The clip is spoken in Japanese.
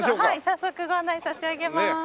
早速ご案内差し上げます。